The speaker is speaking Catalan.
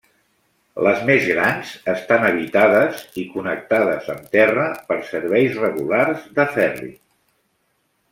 Les més grans estan habitades, i connectades amb terra per serveis regulars de ferri.